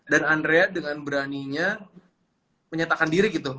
dan andrea dengan beraninya menyatakan diri gitu